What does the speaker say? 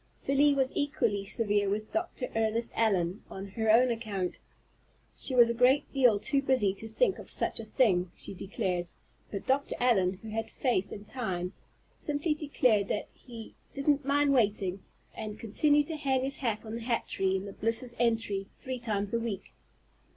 Felie was equally severe with Dr. Ernest Allen, on her own account. "She was a great deal too busy to think of such a thing," she declared; but Dr. Allen, who had faith in time, simply declared that he "didn't mind waiting," and continued to hang his hat on the hat tree in the Bliss's entry three times a week.